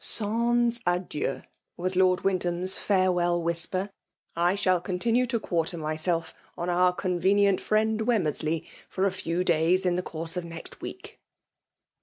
*^ Sans adieu F was Lord Wyndham's farewell whisper ;^' I shall continue to quarter myself on our convenient friend Wemmersley for a few days, in the course of next week."